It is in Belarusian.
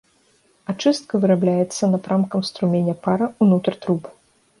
Ачыстка вырабляецца напрамкам струменя пара ўнутр труб.